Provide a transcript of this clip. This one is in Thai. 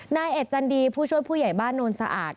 นายเอ็ดจันดีผู้ช่วยผู้ใหญ่บ้านโนนสะอาด